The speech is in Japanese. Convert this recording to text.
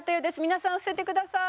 皆さん伏せてください。